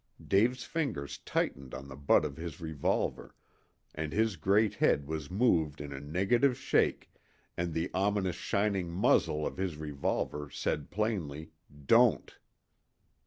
Dave's fingers tightened on the butt of his revolver, and his great head was moved in a negative shake, and the ominous shining muzzle of his revolver said plainly, "Don't!"